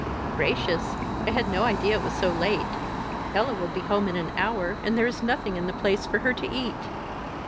"Gracious! I had no idea it was so late. Ella will be home in an hour, and there is nothing in the place for her to eat!"